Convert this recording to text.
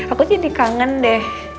aku jadi kangen deh